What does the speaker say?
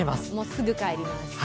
すぐ帰ります。